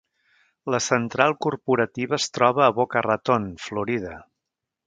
La central corporativa es troba a Boca Raton, Florida.